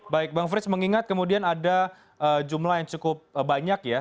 baik bang frits mengingat kemudian ada jumlah yang cukup banyak ya